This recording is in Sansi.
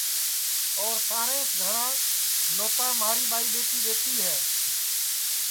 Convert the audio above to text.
اور سارے سے گھٹؔا نوتا مہاری ٻائی ٻیٹی دؔیتی ہے